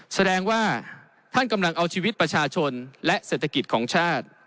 แสดงว่าท่านกำลังเอาชีวิตประชาชนและเศรษฐกิจของชาติ